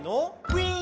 「ウィン！」